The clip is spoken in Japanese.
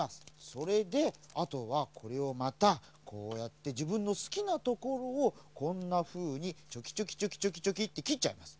それであとはこれをまたこうやってじぶんのすきなところをこんなふうにチョキチョキチョキチョキってきっちゃいます。